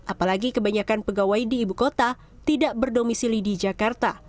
apalagi kebanyakan pegawai di ibu kota tidak berdomisili di jakarta